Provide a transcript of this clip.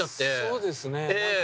そうですね。